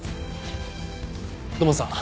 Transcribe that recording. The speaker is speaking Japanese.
土門さん